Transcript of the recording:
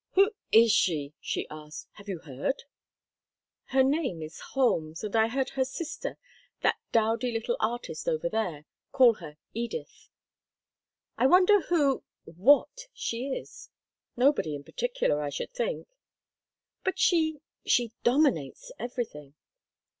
"Who is she?" she asked. "Have you heard?" "Her name is Holmes, and I heard her sister, that dowdy little artist over there, call her Edith." "I wonder who—what—she is?" "Nobody in particular, I should think." "But she—she—dominates everything."